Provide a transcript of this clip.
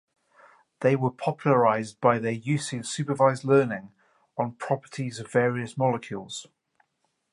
They were popularized by their use in supervised learning on properties of various molecules.